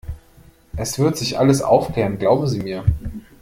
Es wird sich alles aufklären, glauben Sie mir!